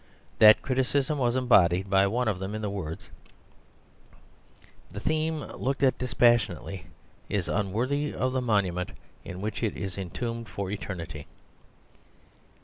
That criticism was embodied by one of them in the words "the theme looked at dispassionately is unworthy of the monument in which it is entombed for eternity."